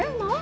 pak eo mau